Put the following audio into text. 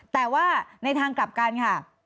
แต่ว่าในทางกลับกันค่ะ